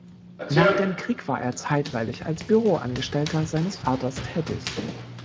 Nach dem Krieg war er zeitweilig als Büroangestellter seines Vaters tätig.